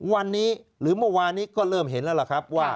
วันนี้หรือเมื่อวานี้ก็เริ่มเห็นแล้วล่ะครับว่า